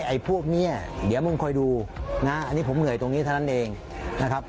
ไอ้พวกนี้เดี๋ยวมึงคอยดูนะอันนี้ผมเหนื่อยตรงนี้เท่านั้นเองนะครับ